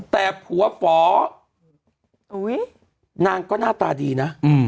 แต่ผัวฝนางก็หน้าตาดีนะ